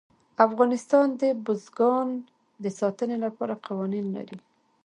افغانستان د بزګان د ساتنې لپاره قوانین لري.